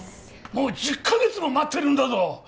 もう１０カ月も待ってるんだぞ！